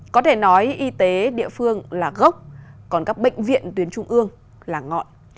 có thể nói y tế địa phương là gốc còn các bệnh viện tuyến trung ương là ngọn